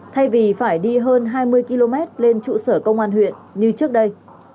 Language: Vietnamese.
thay vì phải đi hơn hai mươi km lên trụ sở công an huyện như trước đây